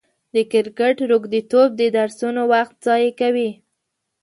د کرکټ روږديتوب د درسونو وخت ضايع کوي.